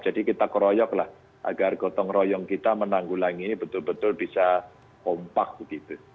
jadi kita keroyoklah agar gotong royong kita menanggulangi ini betul betul bisa kompak begitu